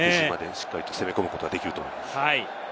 しっかりと攻め込むことができると思います。